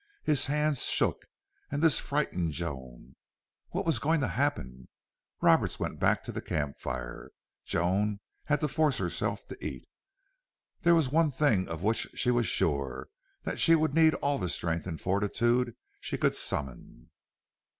His hands shook. And this frightened Joan. What was going to happen? Roberts went back to the camp fire. Joan had to force herself to eat. There was one thing of which she was sure that she would need all the strength and fortitude she could summon.